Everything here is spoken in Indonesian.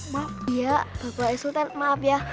maaf ya bapak sultan maaf ya